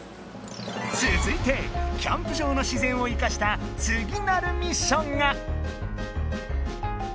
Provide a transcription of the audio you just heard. つづいてキャンプ場の自然をいかしたつぎなるミッションが！